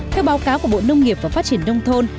theo báo cáo của bộ nông nghiệp và phát triển